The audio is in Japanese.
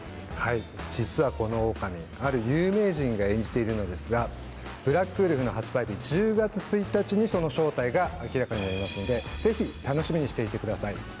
実はこのオオカミある有名人が演じているのですがブラックウルフの発売日１０月１日にその正体が明らかになりますのでぜひ楽しみにしていてください。